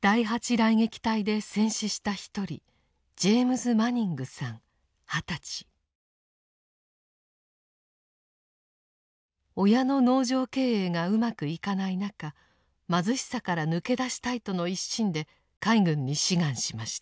雷撃隊で戦死した一人親の農場経営がうまくいかない中貧しさから抜け出したいとの一心で海軍に志願しました。